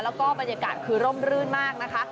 แล้วก็บรรยากาศคือร่มรื่นมากนะคะ